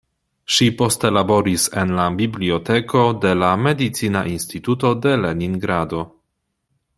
Ŝi poste laboris en la biblioteko de la Medicina Instituto de Leningrado.